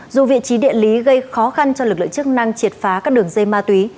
dù vị trí địa lý gây khó khăn cho lực lượng chức năng triệt phá các đường dây ma túy